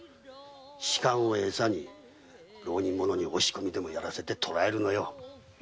仕官をエサに浪人に押し込みでもやらせ捕えるのだ。